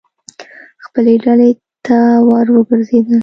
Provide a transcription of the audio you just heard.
خپلې ډلې ته ور وګرځېدل.